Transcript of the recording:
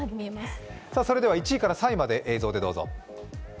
それでは、１位から３位まで映像でどうぞ。